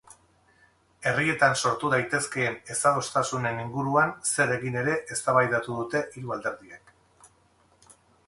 Herrietan sortu daitezkeen ezadostasunen inguruan zer egin ere eztabaidatu dute hiru alderdiek.